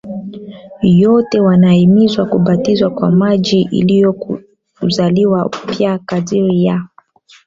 yote wanahimizwa kubatizwa kwa maji ili kuzaliwa upya kadiri ya